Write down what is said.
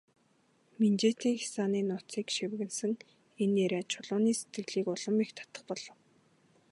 Минжээтийн хясааны нууцыг шивгэнэсэн энэ яриа Чулууны сэтгэлийг улам ч их татах болов.